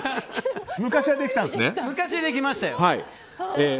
昔はできましたよ。